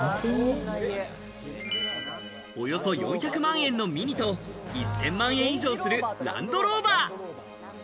およそ４００万円のミニと、１０００万円以上するランドローバー。